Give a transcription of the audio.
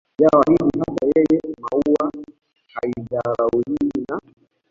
ya waridi hata yenye maua haidharauliwi na